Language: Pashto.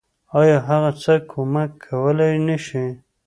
آيا هغه څه کمک کولی نشي.